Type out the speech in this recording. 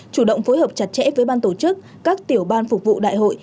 chủ động phối hợp chặt chẽ với ban tổ chức các tiểu ban phục vụ đại hội